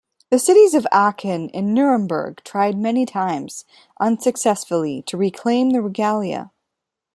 The cities of Aachen and Nuremberg tried many times, unsuccessfully, to reclaim the regalia.